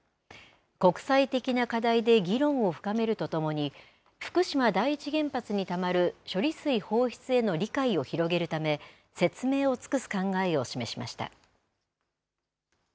国際的な課題で議論を深めるとともに、福島第一原発にたまる処理水放出への理解を広げるため、説明を尽くす考えを示しました。